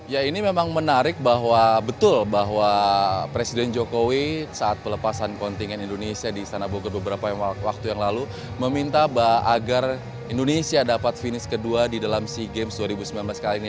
ya ini memang menarik bahwa betul bahwa presiden jokowi saat pelepasan kontingen indonesia di istana bogor beberapa waktu yang lalu meminta agar indonesia dapat finish kedua di dalam sea games dua ribu sembilan belas kali ini